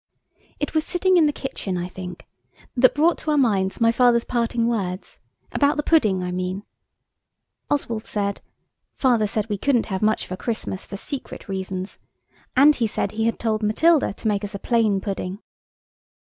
It was sitting in the kitchen, I think, that brought to our minds my father's parting words–about the pudding, I mean. Oswald said, "Father said we couldn't have much of a Christmas for secret reasons, and he said he had told Matilda to make us a plain pudding."